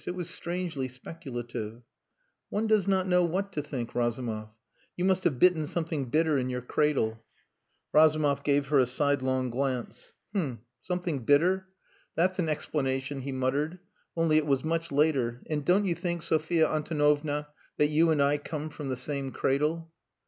It was strangely speculative. "One does not know what to think, Razumov. You must have bitten something bitter in your cradle." Razumov gave her a sidelong glance. "H'm! Something bitter? That's an explanation," he muttered. "Only it was much later. And don't you think, Sophia Antonovna, that you and I come from the same cradle?"